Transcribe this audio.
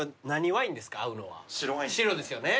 白ワインですね。